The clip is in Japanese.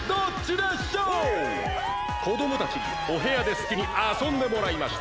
こどもたちにお部屋ですきにあそんでもらいました。